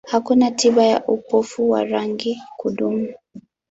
Hakuna tiba ya upofu wa rangi wa kudumu.